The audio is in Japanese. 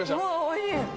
おいしい。